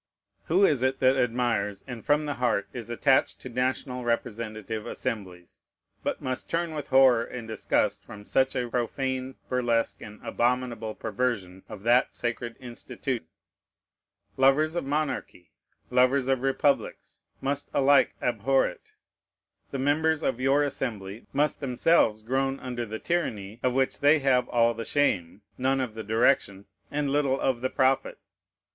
Who is it that admires, and from the heart is attached to national representative assemblies, but must turn with horror and disgust from such a profane burlesque and abominable perversion of that sacred institute? Lovers of monarchy, lovers of republics, must alike abhor it. The members of your Assembly must themselves groan under the tyranny of which they have all the shame, none of the direction, and little of the profit.